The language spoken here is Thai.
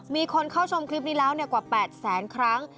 มีคนเข้าชมคลิปนี้แล้วกว่า๘แสนครั้ง